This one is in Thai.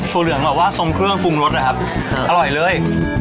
ถั่วเหลืองบอกว่าสมเครื่องฟูงรสนะครับอร่อยเลย